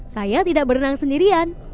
saya tidak berenang sendirian